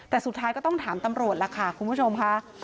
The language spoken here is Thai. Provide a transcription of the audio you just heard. แต่สุดท้ายก็ต้องถามตำรวจล่ะค่ะคุณผู้ชมค่ะ